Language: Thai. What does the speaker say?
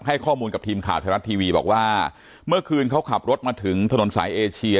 ให้ข้อมูลกับทีมข่าวไทยรัฐทีวีบอกว่าเมื่อคืนเขาขับรถมาถึงถนนสายเอเชีย